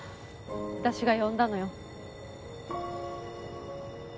私が呼んだのよ。